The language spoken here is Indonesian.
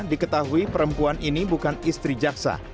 diketahui perempuan ini bukan istri jaksa